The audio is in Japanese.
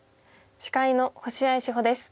司会の星合志保です。